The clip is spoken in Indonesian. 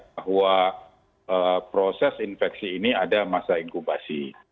bahwa proses infeksi ini ada masa inkubasi